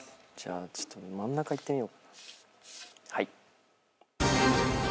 ちょっと真ん中いってみよう。